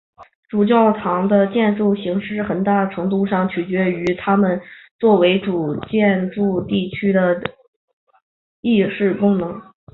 主教座堂的建筑形式很大程度上取决于它们作为主教驻地的仪式功能。